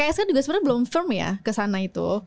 pks kan juga sebenarnya belum firm ya kesana itu